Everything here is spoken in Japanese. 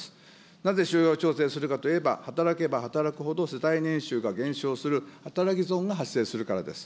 なぜ就業調整するかといえば、働けば働くほど世帯年収が減少する働き損が発生するからです。